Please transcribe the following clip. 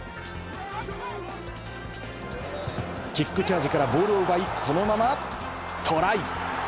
キックチャージからボールを奪い、そのままトライ。